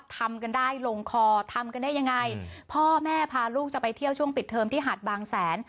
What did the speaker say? ทำกันได้ลงคอทำกันได้ยังไงพ่อแม่พาลูกจะไปเที่ยวช่วงปิดเทอมที่หาดบางแสน